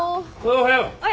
おはよう。